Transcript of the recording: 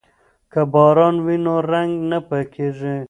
که باران وي نو رنګ نه پاکیږي.